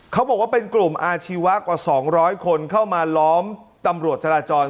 เขาบอกว่าเป็นกลุ่มอาชีวะกว่า๒๐๐คนเข้ามาล้อมตำรวจจราจร